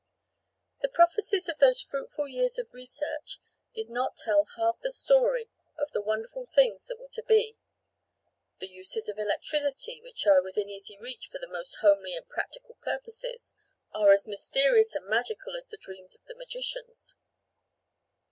The prophecies of those fruitful years of research did not tell half the story of the wonderful things that were to be; the uses of electricity which are within easy reach for the most homely and practical purposes are as mysterious and magical as the dreams of the magicians.